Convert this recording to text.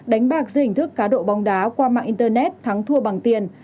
đánh bạc dưới hình thức cá độ bóng đá qua mạng internet thắng thua bằng tiền